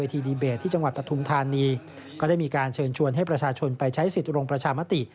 ทีดีเบตที่จังหวัดปฐุมธานีก็ได้มีการเชิญชวนให้ประชาชนไปใช้สิทธิ์ลงประชามติ